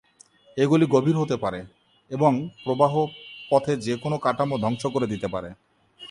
এগুলি গভীর হতে পারে, এবং প্রবাহ পথে যে কোনও কাঠামো ধ্বংস করে দিতে পারে।